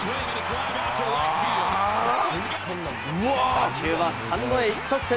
打球はスタンドへ、一直線！